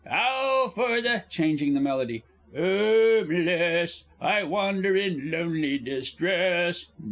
Ow! for the" (changing the melody) "'omeless, I wander in lonely distress.